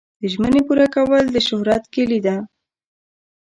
د ژمنې پوره کول د شهرت کلي ده.